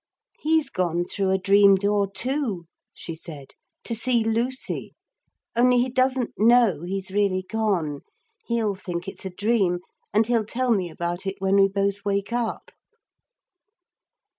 'He's gone through a dream door too,' she said, 'to see Lucy. Only he doesn't know he's really gone. He'll think it's a dream, and he'll tell me about it when we both wake up.'